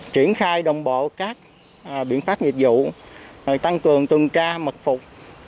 triển khai đồng bộ các biện pháp nghiệp vụ tăng cường tuần tra mật phục